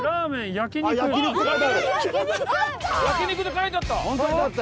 「焼肉」って書いてあった！